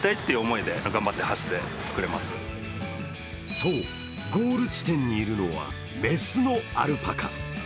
そう、ゴール地点にいるのは雌のアルパカ。